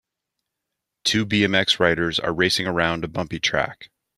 Two BMX riders are racing around a bumpy track.